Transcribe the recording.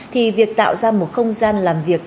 thì việc tạo ra một không gian làm việc